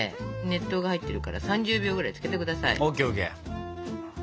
熱湯が入ってるから３０秒ぐらいつけて下さい。